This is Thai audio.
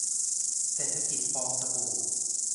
เศรษฐกิจฟองสบู่